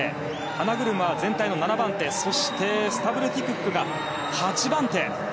花車は全体の７番手スタブルティ・クックが８番手。